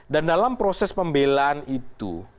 dan dalam proses pembelaan itu